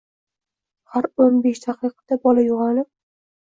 har o'n besh daqiqada bola uyg‘onib